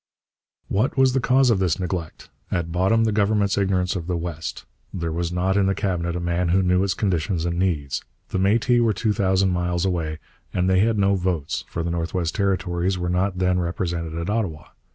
What was the cause of this neglect? At bottom, the Government's ignorance of the West. There was not in the Cabinet a man who knew its conditions and needs. The Métis were two thousand miles away, and they had no votes, for the North West Territories were not then represented at Ottawa.